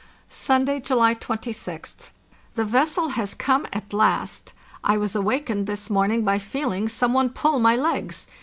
"Sunday, July 26th. The vessel has come at last. I was awakened this morning by feeling some one pull my legs.